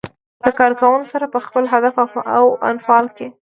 له کار کوونکو سره په خپل فعل او انفعال کې.